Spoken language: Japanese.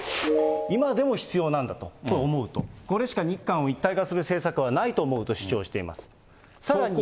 今でも必要なんだと、思うと、これしか日韓を一体化する政策はないと思うと主張しています。